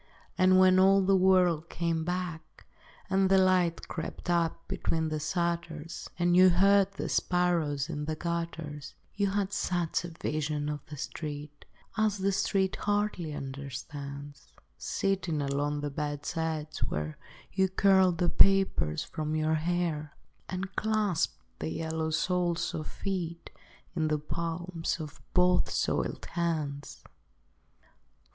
And when all the world came back And the light crept up between the shutters, And you heard the sparrows in the gutters, You had such a vision of the street As the street hardly understands; Sitting along the bed's edge, where You curled the papers from your hair, Or clasped the yellow soles of feet In the palms of both soiled hands.